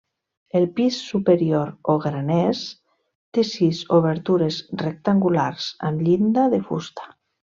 El pis superior o graners té sis obertures rectangulars, amb llinda de fusta.